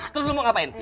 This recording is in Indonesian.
terus lu mau ngapain